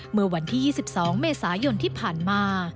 เมื่อวันที่๒๒เมษายนที่ผ่านมา